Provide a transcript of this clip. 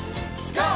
ＧＯ！